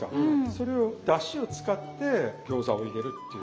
それをだしを使って餃子を入れるっていうのが。